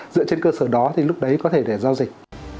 dựa trên cơ sở đó thì lúc đấy có thể để giao dịch